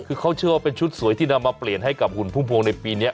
คือเขาเชื่อว่าเป็นชุดสวยที่นำมาเปลี่ยนให้กับหุ่นพุ่มพวงในปีนี้